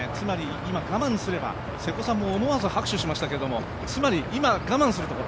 今、我慢すれば瀬古さんも思わず拍手しましたけどつまり今我慢するところ？